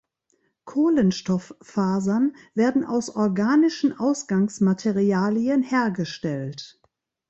Kohlenstofffasern werden aus organischen Ausgangsmaterialien hergestellt.